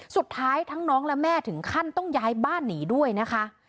สุดท้ายทั้งน้องและแม่ถึงขั้นต้องย้ายบ้านหนีด้วยนะคะ